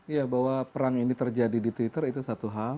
ya bahwa perang ini terjadi di twitter itu satu hal